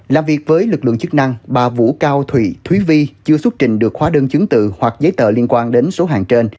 làm việc với lực lượng chức năng bà vũ cao thụy thúy vi chưa xuất trình được khóa đơn chứng tự hoặc giấy tờ liên quan đến số hàng trên